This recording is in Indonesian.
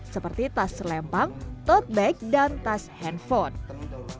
seperti tas lempang tote bag dan tas handphone